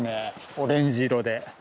オレンジ色で。